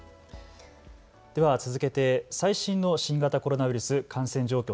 では続けて最新の新型コロナウイルス、感染状況